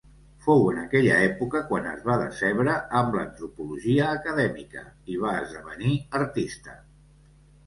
Fou en aquella època quan es va decebre amb l'antropologia acadèmica, i va esdevenir artista.